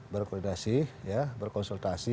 berkoordinasi ya berkonsultasi